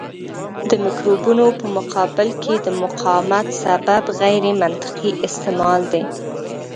د مکروبونو په مقابل کې د مقاومت سبب غیرمنطقي استعمال دی.